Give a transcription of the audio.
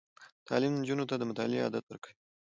تعلیم نجونو ته د مطالعې عادت ورکوي.